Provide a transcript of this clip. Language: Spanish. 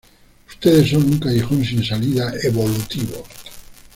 Ustedes son un callejón sin salida evolutivo.